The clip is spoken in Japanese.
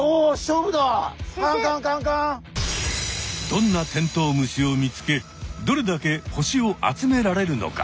どんなテントウムシを見つけどれだけ星を集められるのか。